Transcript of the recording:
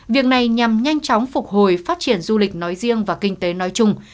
việc này nhằm nhanh chóng phục hồi phát triển du lịch nói riêng và kinh tế nói chung